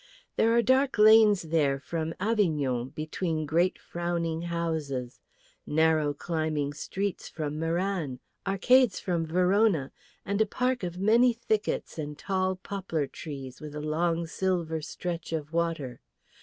There are dark lanes there from Avignon between great frowning houses, narrow climbing streets from Meran, arcades from Verona, and a park of many thickets and tall poplar trees with a long silver stretch of water.